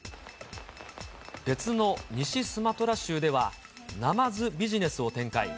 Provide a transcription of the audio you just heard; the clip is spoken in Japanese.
別の西スマトラ州では、ナマズビジネスを展開。